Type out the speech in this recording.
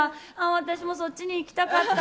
私もそっちに行きたかった。